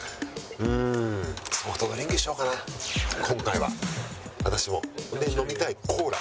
うーんソフトドリンクにしようかな今回は私も。で飲みたいコーラ。